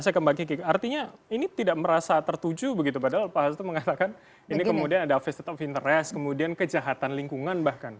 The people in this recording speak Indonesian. saya kembali ke artinya ini tidak merasa tertuju begitu padahal pak hasutu mengatakan ini kemudian ada ofis tetap interest kemudian kejahatan lingkungan bahkan